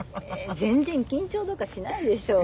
全然緊張とかしないでしょ。